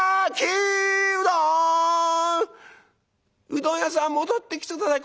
「うどん屋さん戻ってきて下さい。